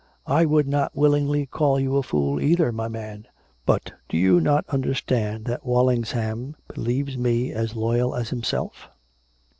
" I would not willingly call you a fool either, my man! But do you not understand that Walsingham believes me as loyal as himself?